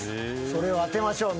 それを当てましょう。